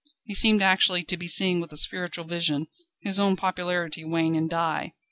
He seemed actually to be seeing with a spiritual vision, his own popularity wane and die.